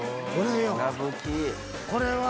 これ。